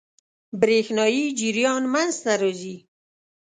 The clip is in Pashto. برېښنايي جریان منځ ته راځي.